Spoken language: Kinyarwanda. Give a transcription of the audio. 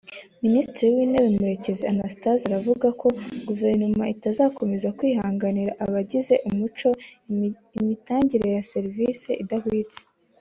Minisitiri w’Intebe Murekezi Anastase aravuga ko Guverinoma itazakomeza kwihanganira abagize umuco imitangire ya serivisi idahwitse